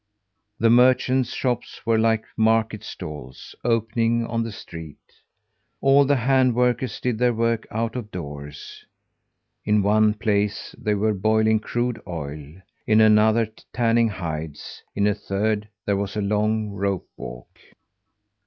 The merchants' shops were like market stalls opening on the street. All the hand workers did their work out of doors. In one place they were boiling crude oil; in another tanning hides; in a third there was a long rope walk.